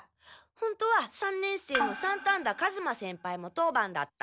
本当は三年生の三反田数馬先輩も当番だった。